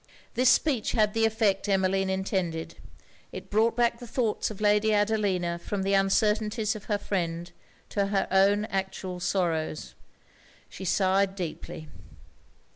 This speech had the effect Emmeline intended. It brought back the thoughts of Lady Adelina from the uncertainties of her friend to her own actual sorrows. She sighed deeply.